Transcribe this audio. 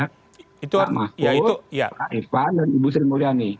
pak mahfud pak ipan dan bu sri mulyani